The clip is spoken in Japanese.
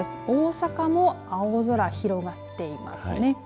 大阪も青空、広がっていますね。